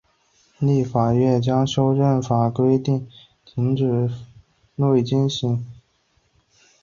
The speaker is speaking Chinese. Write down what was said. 立法院将修法规范停止未经许可赴中国大陆参与政治活动之退职人员领取退休俸的权利。